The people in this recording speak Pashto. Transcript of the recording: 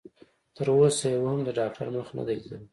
تر اوسه يوه هم د ډاکټر مخ نه دی ليدلی.